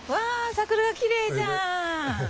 桜がきれいじゃん！